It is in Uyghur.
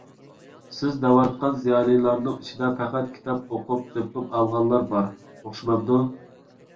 سىز دەۋاتقان زىيالىيلارنىڭ ئىچىدە پەقەت كىتاب ئوقۇپ دىپلوم ئالغانلار بار ئوخشىمامدۇ؟